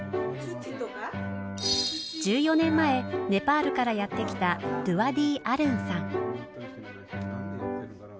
１４年前ネパールからやって来たドゥワディ・アルンさん。